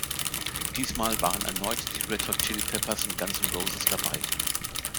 Diesmal waren erneut die Red Hot Chili Peppers und Guns N' Roses dabei.